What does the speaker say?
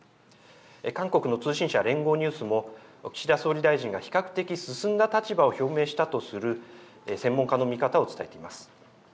韓国の通信社、連合ニュースも岸田総理大臣が比較的進んだ立場を表明したとする専門家の見方を伝えています。